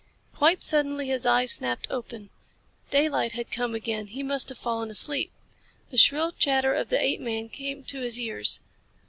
Quite suddenly his eyes snapped open. Daylight had come again. He must have fallen asleep. The shrill chatter of the apeman came to his ears.